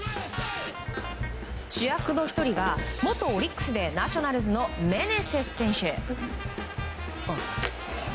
主役の１人が元オリックスでナショナルズのメネセス選手。